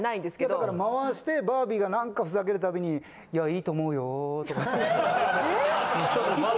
だから回してバービーが何かふざけるたびに「いや良いと思うよ」とかって。